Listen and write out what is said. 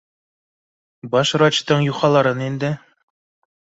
— Баш врачтың юхаларын инде